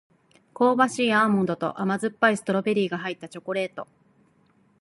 香ばしいアーモンドと甘酸っぱいストロベリーが入ったチョコレート